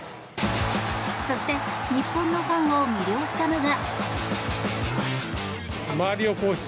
そして日本のファンを魅了したのが。